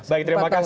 baik terima kasih